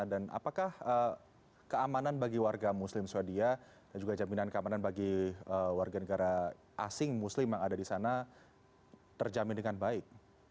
dan apakah keamanan bagi warga muslim swadia dan juga jaminan keamanan bagi warga negara asing muslim yang ada di sana terjamin dengan baik